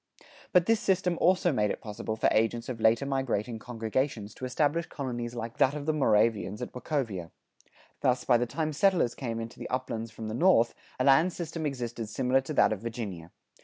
[95:2] But this system also made it possible for agents of later migrating congregations to establish colonies like that of the Moravians at Wachovia.[95:3] Thus, by the time settlers came into the uplands from the north, a land system existed similar to that of Virginia.